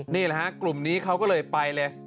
นี่แหละฮะกลุ่มนี้เขาก็เลยไปเลย